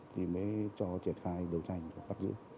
thì mới cho triệt khai đấu tranh